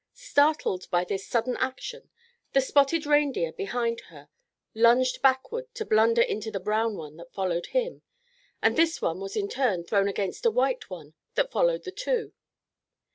Startled by this sudden action, the spotted reindeer behind her lunged backward to blunder into the brown one that followed him, and this one was in turn thrown against a white one that followed the two.